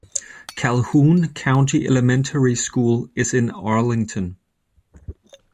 Calhoun County Elementary School is in Arlington.